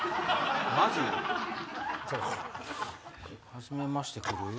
はじめまして来る？